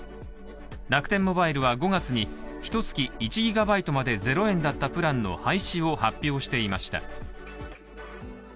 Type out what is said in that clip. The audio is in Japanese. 楽天モバイルは５月にひと月１ギガバイトまで０円だったプランの廃止を発表していました。